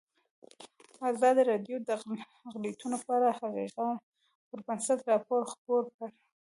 ازادي راډیو د اقلیتونه په اړه د حقایقو پر بنسټ راپور خپور کړی.